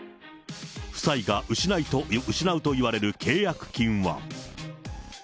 夫妻が失うといわれる契約金は。